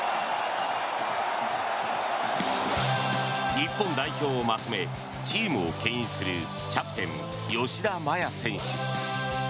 日本代表をまとめチームをけん引するキャプテン、吉田麻也選手。